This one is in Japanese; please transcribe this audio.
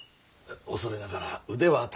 恐れながら腕は確か。